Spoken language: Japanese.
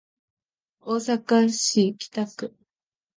大阪市北区